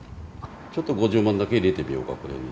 ちょっと５０万だけ入れてみようか、これに。